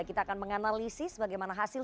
kita akan menganalisis bagaimana hasil